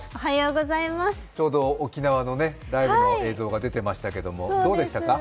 ちょうど沖縄のライブの映像が出ていましたけど、どうでしたか？